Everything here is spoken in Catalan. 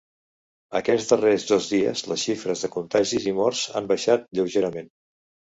Aquests darrers dos dies les xifres de contagis i morts han baixat lleugerament.